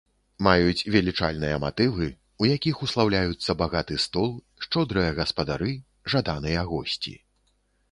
Маюць велічальныя матывы, у якіх услаўляюцца багаты стол, шчодрыя гаспадары, жаданыя госці.